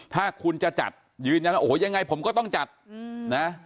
ถ้าคุณจะจัดยืนยันว่าโอ้โหยังไงผมก็ต้องจัดนะ